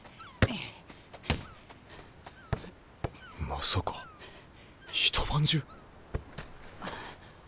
まさか一晩中？